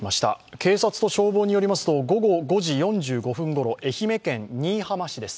警察と消防によりますと午後５時４５分ごろ愛媛県新居浜市です。